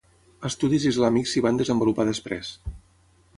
Estudis islàmics s'hi van desenvolupar després.